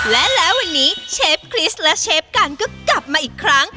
และแล้ววันนี้เชฟคริสและเชฟกันก็กลับมาอีกครั้ง